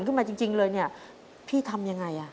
ขึ้นมาจริงเลยเนี่ยพี่ทำยังไงอ่ะ